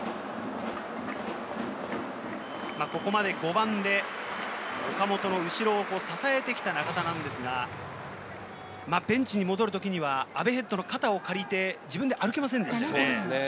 ここまで５番で岡本の後ろを支えてきた中田なんですが、ベンチに戻るときには阿部ヘッドの肩を借りて自分で歩けませんでしたよね。